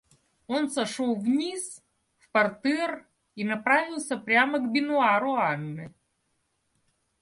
Он сошел вниз в партер и направился прямо к бенуару Анны.